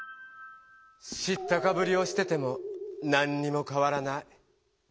知ったかぶりをしてても何にもかわらない。